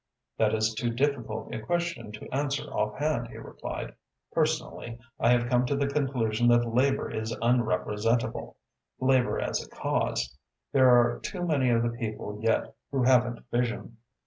"That is too difficult a question to answer offhand," he replied. "Personally, I have come to the conclusion that Labour is unrepresentable Labour as a cause. There are too many of the people yet who haven't vision."